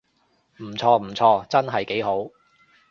唔錯唔錯，真係幾好